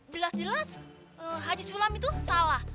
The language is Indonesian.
jelas jelas haji sulam itu salah